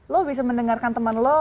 lo bisa mendengarkan teman lo